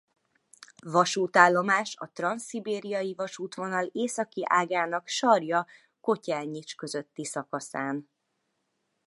Vasútállomás a transzszibériai vasútvonal északi ágának Sarja–Kotyelnyics közötti szakaszán.